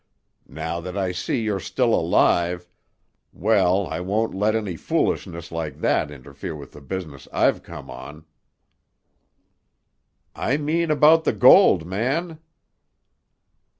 Now that I see you're still alive—well, I won't let any little foolishness like that interfere with the business I've come on." "I mean about the gold, man?"